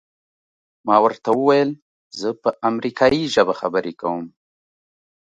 ما ورته وویل زه په امریکایي ژبه خبرې کوم.